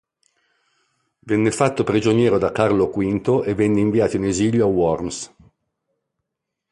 Venne fatto prigioniero da Carlo V e venne inviato in esilio a Worms.